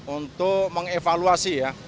untuk mengevaluasi ya